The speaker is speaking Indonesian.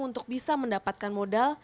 untuk bisa mendapatkan modal